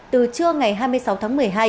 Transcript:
từ trưa ngày hai mươi sáu tháng một mươi hai